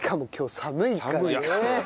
寒いから。